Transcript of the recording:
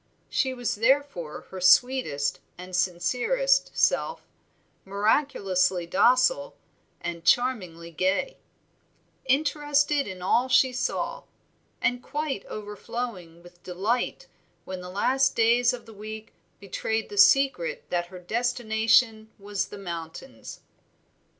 She was therefore her sweetest and sincerest self, miraculously docile, and charmingly gay; interested in all she saw, and quite overflowing with delight when the last days of the week betrayed the secret that her destination was the mountains.